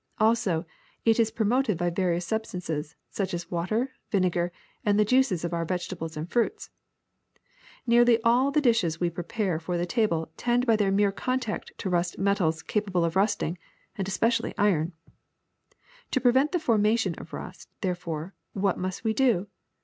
Also, it is promoted by various substances, such as water, vinegar, and the juice of our vege tables and fruits. Nearly all the dishes we prepare for the table tend by their mere contact to rust metals capable of rusting, and especially iron. To prevent the formation of rust, therefore, what must we do?